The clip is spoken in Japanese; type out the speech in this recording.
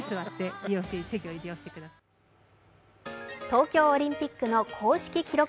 東京オリンピックの公式記録